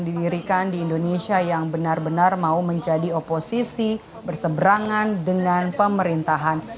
didirikan di indonesia yang benar benar mau menjadi oposisi berseberangan dengan pemerintahan